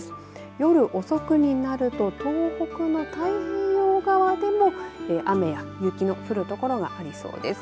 夜遅くになると東北の太平洋側でも雨や雪の降る所がありそうです。